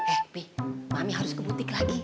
eh pih mami harus ke butik lagi